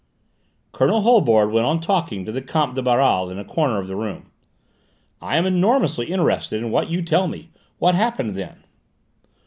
Colonel Holbord went on talking to the Comte de Baral in a corner of the room. "I am enormously interested in what you tell me. What happened then?"